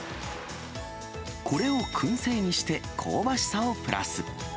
これをくん製にして香ばしさをプラス。